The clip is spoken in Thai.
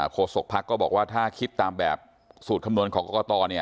โคสกพักก็บอกว่าถ้าคิดตามแบบสูตรคำนวณของกกตเนี่ย